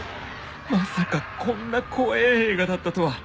まさかこんな怖えぇ映画だったとは